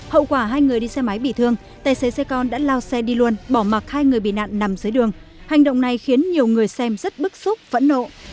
hậu quả hai người đi xe máy bị thương tài xế xe con đã lao xe đi luôn bỏ mặc hai người bị nạn nằm dưới đường hành động này khiến nhiều người xem rất bức xúc phẫn nộ